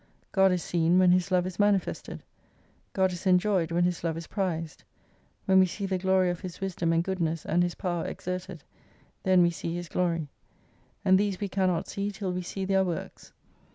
God is seen when His love is manifested. God is en joyed when His love is prized. When we see the glory of His wisdom and goodness and His power exerted, then we see His glory. And these we cannot see till we see their works.